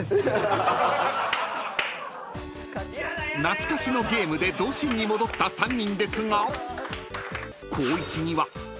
［懐かしのゲームで童心に戻った３人ですが］